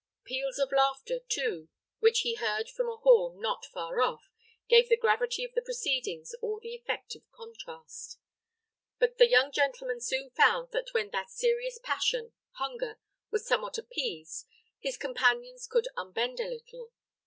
Peals of laughter, too, which he heard from a hall not far off, gave the gravity of the proceedings all the effect of contrast. But the young gentleman soon found that when that serious passion, hunger, was somewhat appeased, his companions could unbend a little.